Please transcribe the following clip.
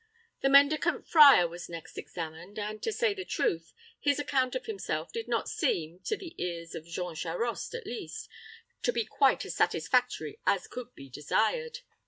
The mendicant friar was next examined, and, to say truth, his account of himself did not seem, to the ears of Jean Charost at least, to be quite as satisfactory as could be desired.